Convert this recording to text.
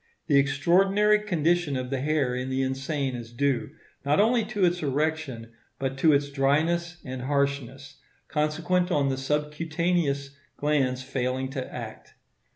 The extraordinary condition of the hair in the insane is due, not only to its erection, but to its dryness and harshness, consequent on the subcutaneous glands failing to act.